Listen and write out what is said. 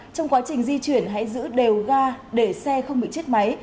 trong quá trình di chuyển hãy giữ đều ga để xe không bị chết máy